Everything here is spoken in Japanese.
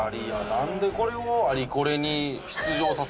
なんでこれをアリ・コレに出場させるんですか？